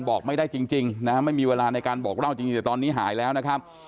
บอกไม่ได้จริงนะฮะไม่มีเวลาในการบอกเล่าจริงแต่ตอนนี้หายแล้วนะครับ